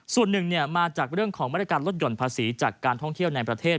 ส่วนหนึ่งมาจากเรื่องของมาตรการลดหย่อนภาษีจากการท่องเที่ยวในประเทศ